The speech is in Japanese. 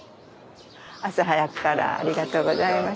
朝早くからありがとうございます。